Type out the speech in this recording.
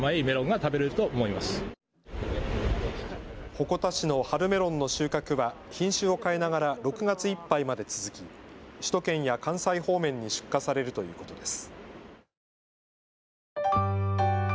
鉾田市の春メロンの収穫は品種を変えながら６月いっぱいまで続き、首都圏や関西方面に出荷されるということです。